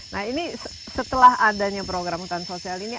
nah ini setelah adanya program hutan sosial ini